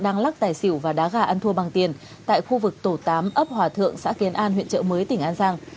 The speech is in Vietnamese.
đang lắc tài xỉu và đá gà ăn thua bằng tiền tại khu vực tổ tám ấp hòa thượng xã kiến an huyện trợ mới tỉnh an giang